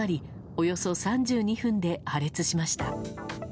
およそ３２分で破裂しました。